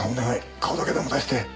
顔だけでも出して。